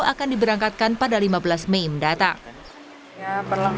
akan diberangkatkan pada lima belas mei mendatang